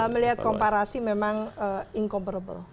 melihat komparasi memang incomparable